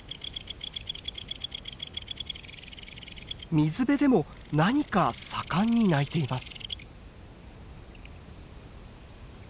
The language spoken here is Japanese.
水辺でも何か盛んに鳴いています。